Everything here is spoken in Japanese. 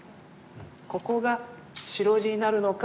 ここが白地になるのか